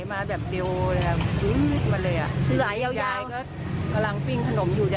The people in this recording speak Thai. ยายกำลังปิ้งขนมอยู่